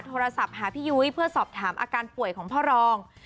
โทรศัพท์หาพี่ยุ้ยเพื่อสอบถามอาการป่วยของพ่อรอง